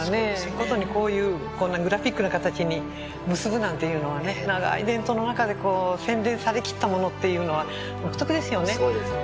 殊にこういうこんなグラフィックな形に結ぶなんていうのはね長い伝統の中で洗練されきったものっていうのは独特ですよね。